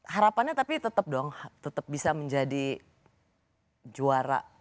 harapannya tetap bisa menjadi juara